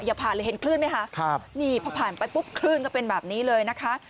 อย่าผ่านเลยเห็นคลื่นไหมคะครับนี่พอผ่านไปปุ๊บคลื่นก็เป็นแบบนี้เลยนะคะ